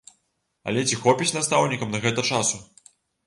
Але ці хопіць настаўнікам на гэта часу?